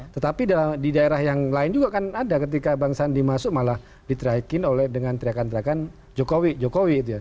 tetapi di daerah yang lain juga kan ada ketika bang sandi masuk malah diterakin oleh dengan teriakan teriakan jokowi jokowi